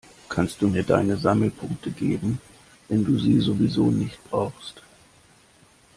Kannst du mir deine Sammelpunkte geben, wenn du sie sowieso nicht brauchst?